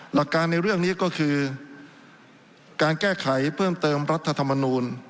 หลักการในเรื่องนี้ก็คือการแก้ไขเพิ่มเติมรัฐธรรมนูล